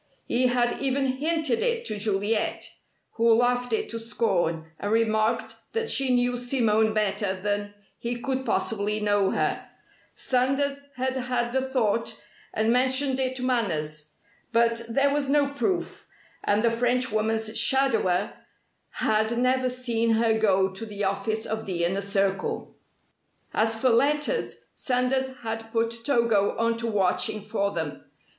He had even hinted it to Juliet, who laughed it to scorn, and remarked that she knew Simone better than he could possibly know her. Sanders had had the thought, and mentioned it to Manners. But there was no proof; and the Frenchwoman's "shadower" had never seen her go to the office of the Inner Circle. As for letters Sanders had put Togo onto watching for them.